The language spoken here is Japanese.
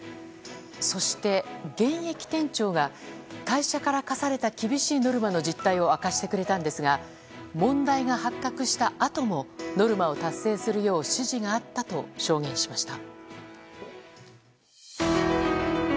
そして、現役店長が会社から課された厳しいノルマの実態を明かしてくれたんですが問題が発覚したあともノルマを達成するよう指示があったと証言しました。